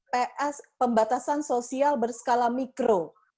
pembatasan sosial berskala mikro